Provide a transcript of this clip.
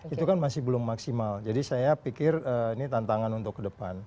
itu kan masih belum maksimal jadi saya pikir ini tantangan untuk ke depan